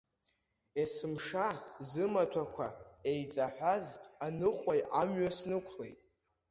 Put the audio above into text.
Есымша зымаҭәақәа еиҵаҳәаз аныҟәаҩ амҩа снықәлеит.